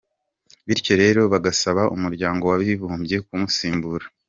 Bityo rero bagasaba umuryango w'abibumbye kumusimbura.